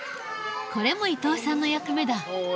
これも伊藤さんの役目だ。